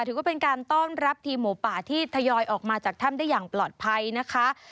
ถือว่าเป็นการต้อนรับทีมหมูป่าที่ทยอยออกมาจากถ้ำได้อย่างปลอดภัยนะคะ